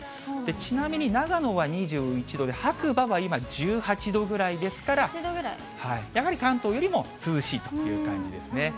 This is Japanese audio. ちなみに長野は２１度で、白馬は今、１８度ぐらいですから、やはり関東よりも涼しいという感じですね。